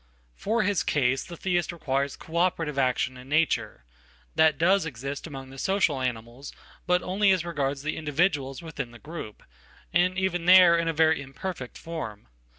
For his case the Theist Requires co operative action innature. That does exist among the social animals, but only asregards the individuals within the group, and even there in a veryimperfect form.